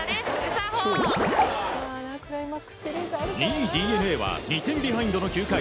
２位、ＤｅＮＡは２点ビハインドの９回。